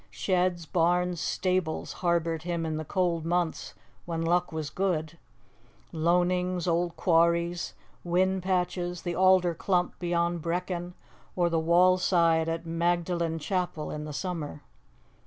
Sheds, barns, stables harboured him in the cold months when luck was good; loanings, old quarries, whin patches, the alder clump beyond Brechin, or the wall side at Magdalen Chapel, in the summer.